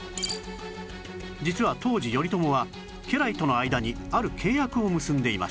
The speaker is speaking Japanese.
実は当時頼朝は家来との間にある契約を結んでいました